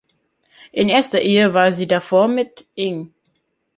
In erster Ehe war sie davor mit Ing.